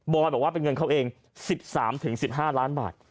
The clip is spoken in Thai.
บอกว่าเป็นเงินเขาเอง๑๓๑๕ล้านบาท